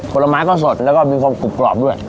ผลไม้ก็สดแล้วก็มีความกรุบกรอบด้วย